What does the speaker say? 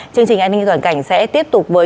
chương trình an ninh toàn cảnh sẽ tiếp tục với